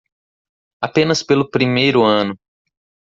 Apenas pelo primeiro ano.